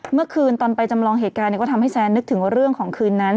เมื่อคืนตอนไปจำลองเหตุการณ์ก็ทำให้แซนนึกถึงว่าเรื่องของคืนนั้น